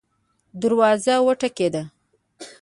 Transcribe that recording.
دروازه وټکیده